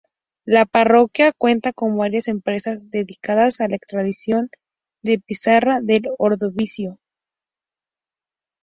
La parroquia cuenta con varias empresas dedicadas a la extracción de pizarra del ordovícico